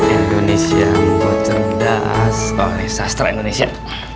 indonesia membuat cerdas oleh sastra indonesia